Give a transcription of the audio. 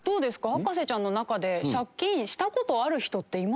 博士ちゃんの中で借金した事ある人っています？